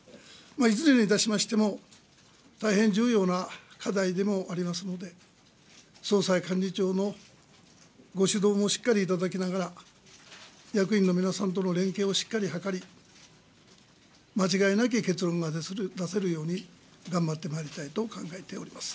いずれにいたしましても、大変重要な課題でもありますので、総裁、幹事長のご指導もしっかり頂きながら、役員の皆さんとの連携をしっかり図り、間違いなき結論が出せるよう頑張ってまいりたいと考えております。